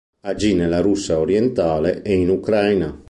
Agì nella Russia orientale e in Ucraina.